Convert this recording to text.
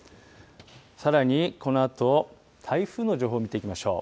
さらにこのあと、台風の情報見ていきましょう。